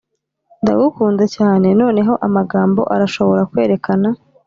ndagukunda cyane noneho amagambo arashobora kwerekana